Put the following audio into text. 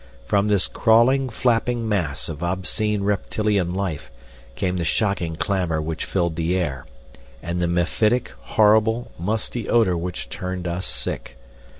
From this crawling flapping mass of obscene reptilian life came the shocking clamor which filled the air and the mephitic, horrible, musty odor which turned us sick.